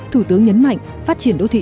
thủ tướng nhấn mạnh phát triển đô thị